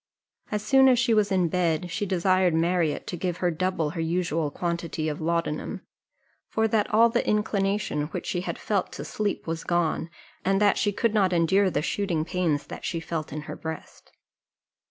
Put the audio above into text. As soon as she was in bed, she desired Marriott to give her double her usual quantity of laudanum; for that all the inclination which she had felt to sleep was gone, and that she could not endure the shooting pains that she felt in her breast.